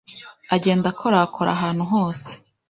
Agenda akorakora ahantu hose